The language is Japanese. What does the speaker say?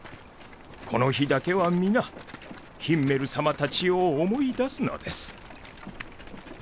この日だけは皆ヒンメル様たちを思い出すのです。